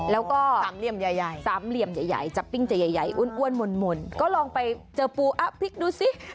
อ๋อสามเหลี่ยมใหญ่แล้วก็สามเหลี่ยมใหญ่จับปิ้งจะใหญ่อุ้นมนก็ลองไปเจอปูอ่ะพลิกดูสิ